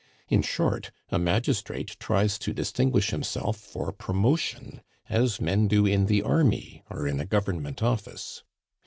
In short, a magistrate tries to distinguish himself for promotion as men do in the army, or in a Government office.